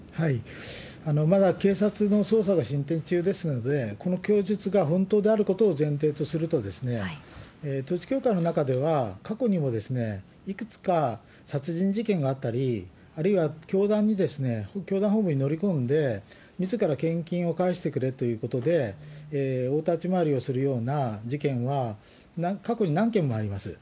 まだ警察の捜査が進展中ですので、この供述が本当であることを前提とすると、統一教会の中では、過去にもいくつか殺人事件があったり、あるいは教団本部に乗り込んで、みずから献金を返してくれということで、大立ち回りをするような事件は過去に何件もあります。